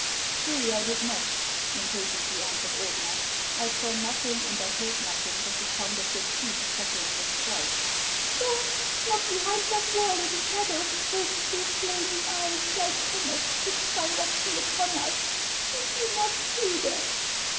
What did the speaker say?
" Truly I did not," impatiently answered Ordener ;" I saw nothing, and I heard nothing but the sound of your teeth chattering with frijjht." <~j O " What ! not behind that wall, in the shadow, those two flaming eyes, like comets, fixed directly upon us, — did you not see them